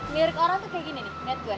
mirip orang tuh kaya gini nih liat gue